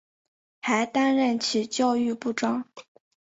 还担任其教育部长。